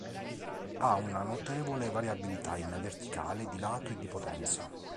Ha una notevole variabilità in verticale, di lato e di potenza.